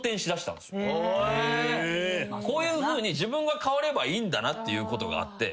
こういうふうに自分が変わればいいんだなっていうことがあって。